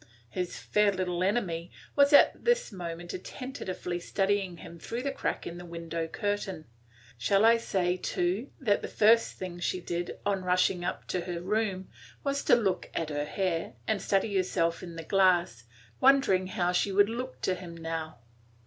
His "fair little enemy" was at this moment attentively studying him through the crack in the window curtain. Shall I say, too, that the first thing she did, on rushing up to her room, was to look at her hair, and study herself in the glass, wondering how she would look to him now.